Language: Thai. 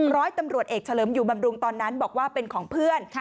ร้อยตำรวจเอกเฉลิมอยู่บำรุงตอนนั้นบอกว่าเป็นของเพื่อน